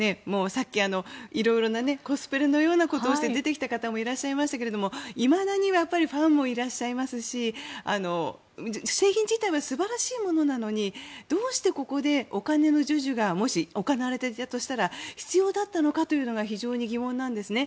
さっき、色々なコスプレのようなことをして出てきた方もいらっしゃいましたけれどいまだにファンもいらっしゃいますし製品自体は素晴らしいものなのにどうしてここでお金の授受がもし行われていたとしたら必要だったのかというのが非常に疑問なんですね。